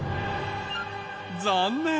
残念！